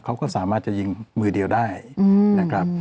เขาก็สามารถจะยิงมือเดียวได้นะครับ